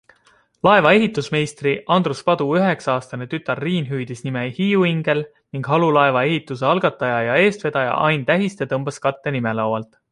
Laeva ehitusmeistri Andrus Padu üheksaaastane tütar Riin hüüdis nime HiiuIngel ning halulaeva ehituse algataja ja eestvedaja Ain Tähiste tõmbas katte nimelaualt.